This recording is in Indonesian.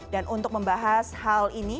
dan untuk membahas hal ini